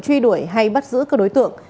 truy đuổi hay bắt giữ các đối tượng